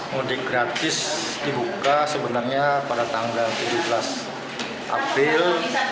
mudik gratis dibuka sebenarnya pada tanggal tujuh belas april